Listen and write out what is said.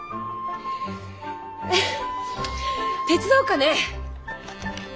フッ手伝おうかね！